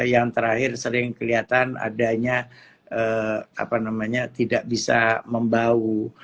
yang terakhir sering kelihatan adanya tidak bisa membau